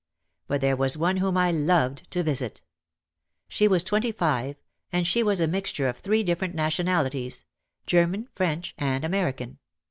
But there was one whom I loved to visit. She was twenty five, and she was a mixture of three different nationalities, German, French and American.